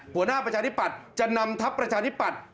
หัวหน้าประชาทิปัตย์จะนำทัพประชาทิปัตย์